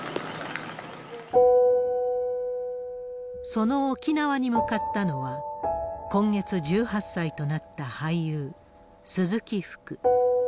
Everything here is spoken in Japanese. その沖縄に向かったのは、今月１８歳となった俳優、鈴木福。